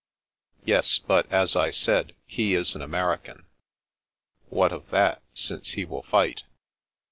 " Yes; but as I said, he is an American/* " What of that, since he will fight?